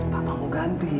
papa mau ganti